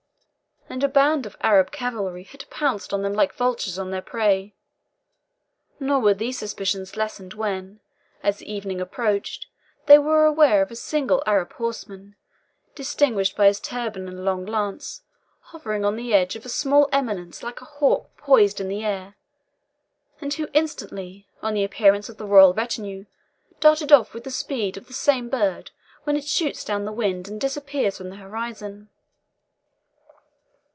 and a band of Arab cavalry had pounced on them like vultures on their prey. Nor were these suspicions lessened when, as evening approached, they were aware of a single Arab horseman, distinguished by his turban and long lance, hovering on the edge of a small eminence like a hawk poised in the air, and who instantly, on the appearance of the royal retinue, darted off with the speed of the same bird when it shoots down the wind and disappears from the horizon.